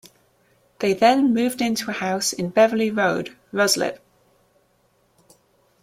They then moved into a house in Beverley Road, Ruislip.